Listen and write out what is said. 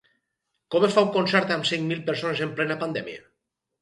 Com es fa un concert amb cinc mil persones en plena pandèmia?